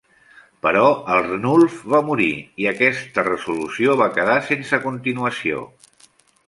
Però Arnulf va morir, i aquesta resolució va quedar sense continuació.